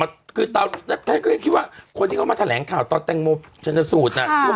ก็ไม่ใช่คนที่ออกมาใครก็ยังคิดว่าคนที่เข้ามาแถลงข่าวตอนแต่งมุมชนสูตรน่ะ